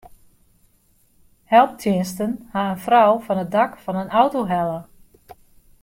Helptsjinsten ha in frou fan it dak fan in auto helle.